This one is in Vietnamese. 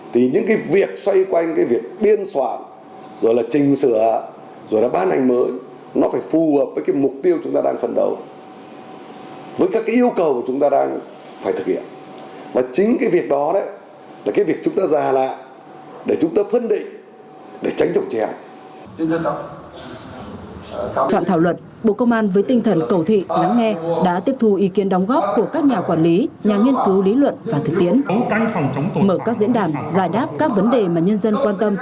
thì những cái việc xoay quanh cái việc biên soạn rồi là trình sửa rồi là ban hành mới nó phải phù hợp với cái mục tiêu chúng ta đang phấn đấu